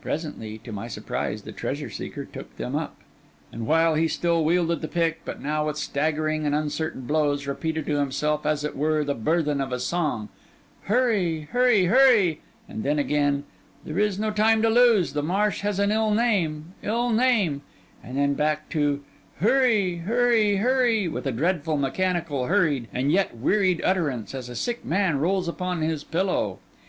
Presently, to my surprise, the treasure seeker took them up; and while he still wielded the pick, but now with staggering and uncertain blows, repeated to himself, as it were the burthen of a song, 'Hurry, hurry, hurry;' and then again, 'There is no time to lose; the marsh has an ill name, ill name;' and then back to 'Hurry, hurry, hurry,' with a dreadful, mechanical, hurried, and yet wearied utterance, as a sick man rolls upon his pillow.